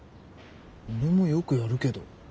俺もよくやるけど。